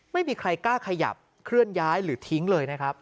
ไม่มีใครกล้าขยับเคลื่อนย้ายหรือทิ้งเลยนะครับ